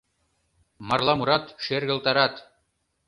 Марла мурат, шергылтарат.